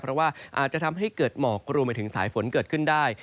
เพราะว่าอาจจะทำให้เกิดหมอกรวมไปถึงสายฝนเกิดขึ้นได้